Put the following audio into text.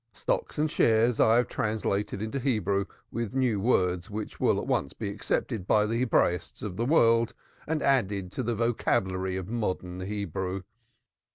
Stocks and shares have I translated into Hebrew, with new words which will at once be accepted by the Hebraists of the world and added to the vocabulary of modern Hebrew.